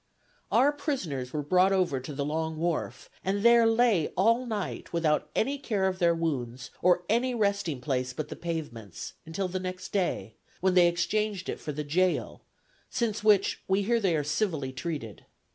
Our prisoners were brought over to the Long Wharf, and there lay all night, without any care of their wounds, or any resting place but the pavements, until the next day, when they exchanged it for the jail, since which we hear they are civilly treated.